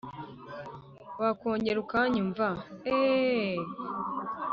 wakongera ukanyumva eeeh